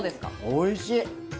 おいしい。